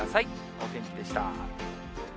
お天気でした。